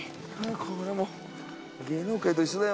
これも芸能界と一緒だよ